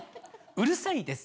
うるさいです。